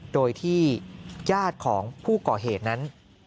โดยที่ญาติของผู้ก่อเหตุนั้น